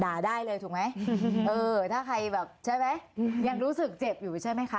ได้เลยถูกไหมเออถ้าใครแบบใช่ไหมยังรู้สึกเจ็บอยู่ใช่ไหมคะ